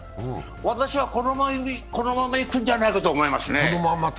私はこのままいくんじゃないかと思いますね。